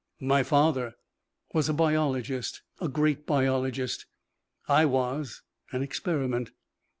"My father was a biologist. A great biologist. I was an experiment."